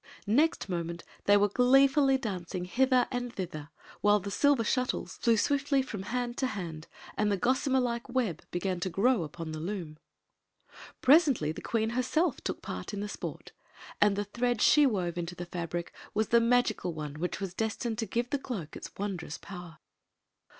Next moment they were glee fully dancing hither and thither, while the silver shut 10 Queen Zixi of Ix; or, the ties flew twifUy fix>m hand to hand and the gosiamer like web began to grow upon the loom. Presently the queen herself took part in the sport, and the thread she wove into the fabric was the magical one which was destined to give the cloak its wondrous power.